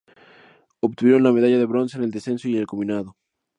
Obtuvieron la medalla de bronce en el descenso y el combinado.